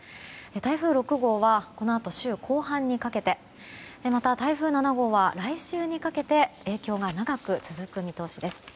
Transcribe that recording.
台風６号はこのあと週後半にかけてまた、台風７号は来週にかけて影響が長く続く見通しです。